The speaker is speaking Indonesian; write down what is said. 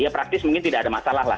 ya praktis mungkin tidak ada masalah lah